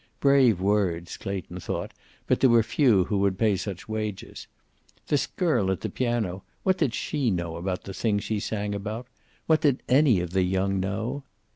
Brave words, Clayton thought, but there were few who would pay such wages. This girl at the piano, what did she know of the thing she sang about? What did any of the young know?